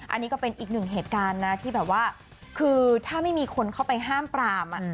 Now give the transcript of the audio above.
อันนี้ก็เป็นอีกหนึ่งเหตุการณ์นะที่แบบว่าคือถ้าไม่มีคนเข้าไปห้ามปราม